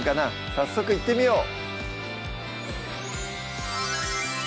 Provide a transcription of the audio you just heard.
早速いってみよう